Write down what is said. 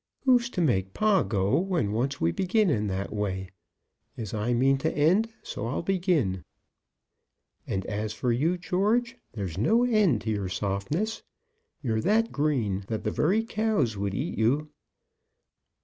"Who's to make pa go when once we begin in that way? As I mean to end, so I'll begin. And as for you, George, there's no end to your softness. You're that green, that the very cows would eat you."